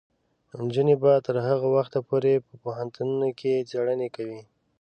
نجونې به تر هغه وخته پورې په پوهنتونونو کې څیړنې کوي.